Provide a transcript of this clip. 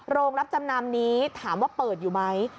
โรงรับจำนำนี้ถามว่าเปิดอยู่ไหม